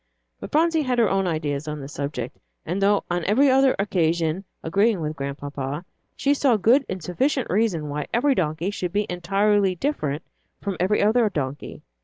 But Phronsie had her own ideas on the subject, and though on every other occasion agreeing with Grandpapa, she saw good and sufficient reason why every donkey should be entirely different from every other donkey.